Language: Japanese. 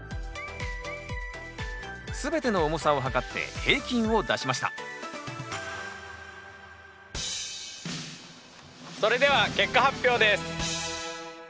全ての重さを量って平均を出しましたそれでは結果発表です。